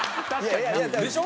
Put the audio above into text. でしょ？